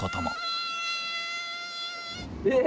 え？